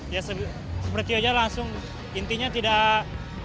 ya seperti aja langsung intinya tidak